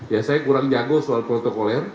ya saya kurang jago soal protokoler